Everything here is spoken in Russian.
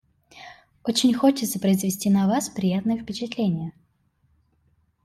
Очень хочется произвести на Вас приятное впечатление.